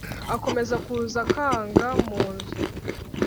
Akomeza kuza akanga mu nzu